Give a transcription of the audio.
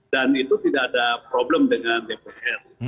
dan itu tidak ada problem dengan dpr